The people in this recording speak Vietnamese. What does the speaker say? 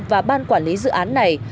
và ban quản lý dự án này